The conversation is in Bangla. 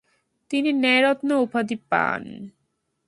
তিনি ন্যায়রত্ন উপাধি পান।